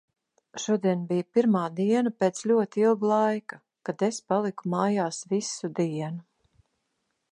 Šodien bija pirmā diena, pēc ļoti ilga laika, kad es paliku mājās visu dienu.